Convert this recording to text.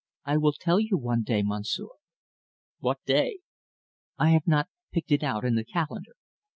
"I will tell you one day, Monsieur." "What day?" "I have not picked it out in the calendar."